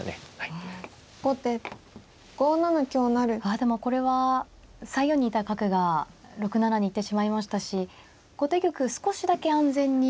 あでもこれは３四にいた角が６七に行ってしまいましたし後手玉少しだけ安全に。